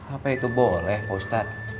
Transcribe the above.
apa itu boleh powesta